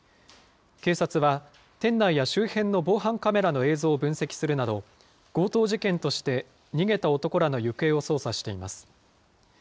警察は、店内や周辺の防犯カメラの映像を分析するなど、強盗事件として逃げた男らの行方を捜査しています。